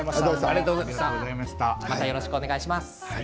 またよろしくお願いします。